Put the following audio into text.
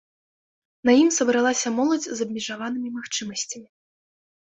На ім сабралася моладзь з абмежаванымі магчымасцямі.